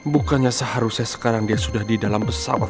bukannya seharusnya sekarang dia sudah di dalam pesawat